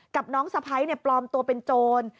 กับน้องสะพ้ายปลอมตัวเป็นโจร